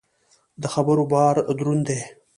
د خبرو بار دروند دی.